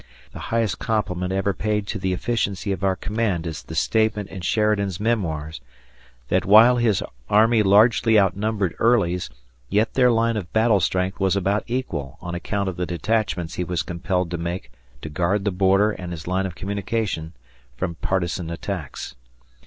The highest compliment ever paid to the efficiency of our command is the statement in Sheridan's "Memoirs", that while his army largely outnumbered Early's, yet their line of battle strength was about equal on account of the detachments he was compelled to make to guard the border and his line of communication from partisan attacks.